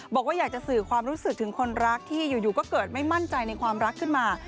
บอกว่าอยากจะสื่อความรู้สึกถึงคนรักที่อยู่ก็เกิดไม่มั่นใจในความรักขึ้นมา